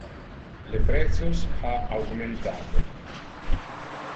Le precios ha augmentate.